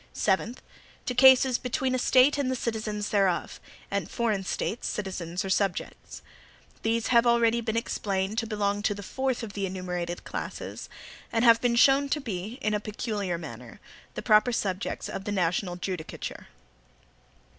Seventh. To cases between a State and the citizens thereof, and foreign States, citizens, or subjects. These have been already explained to belong to the fourth of the enumerated classes, and have been shown to be, in a peculiar manner, the proper subjects of the national judicature.